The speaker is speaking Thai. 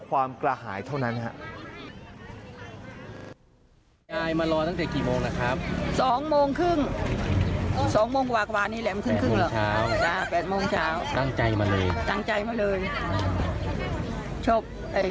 ความกระหายเท่านั้นครับ